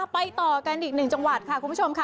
ไปต่อกันอีกหนึ่งจังหวัดค่ะคุณผู้ชมค่ะ